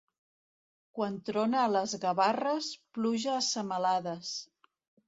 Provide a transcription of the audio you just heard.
Quan trona a les Gavarres, pluja a semalades.